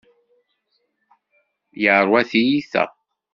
Yerwa tiyita.